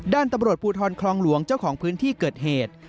ด้านตำรวจภูทรคลองหลวงเจ้าของพื้นที่เกิดเหตุ